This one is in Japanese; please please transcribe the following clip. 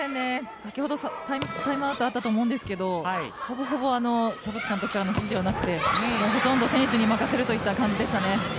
先ほどタイムアウトがあったと思うんですけどほぼほぼ田渕監督からの指示はなくてほとんど選手に任せるといった感じでしたね。